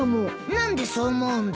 何でそう思うんだ？